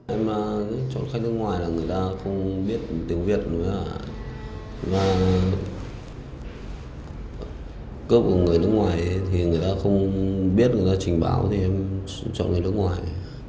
em chọn khách nước ngoài là người ta không biết tiếng việt và cướp của người nước ngoài thì người ta không biết người ta trình báo thì em chọn người nước ngoài